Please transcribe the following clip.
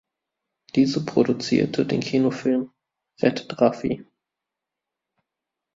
Diese produzierte den Kinofilm "Rettet Raffi!